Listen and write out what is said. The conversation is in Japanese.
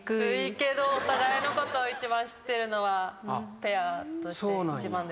けどお互いのことを一番知ってるのはペアとして一番です。